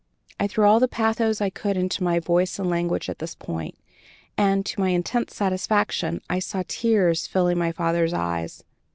I threw all the pathos I could into my voice and language at this point, and, to my intense satisfaction, I saw tears filling my father's eyes.